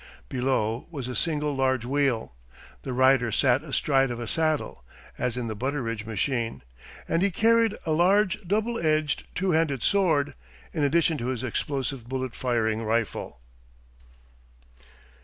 Below was a single large wheel. The rider sat astride of a saddle, as in the Butteridge machine, and he carried a large double edged two handed sword, in addition to his explosive bullet firing rifle.